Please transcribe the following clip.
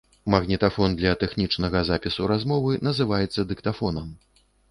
Магнітафон для тэхнічнага запісу размовы называецца дыктафонам.